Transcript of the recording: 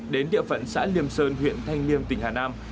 đến địa phận xã liêm sơn huyện thanh liêm tỉnh hà nam